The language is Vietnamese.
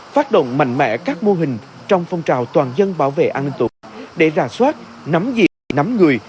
phát động mạnh mẽ các mô hình trong phong trào toàn dân bảo vệ an ninh tổ để rà soát nắm dị nắm người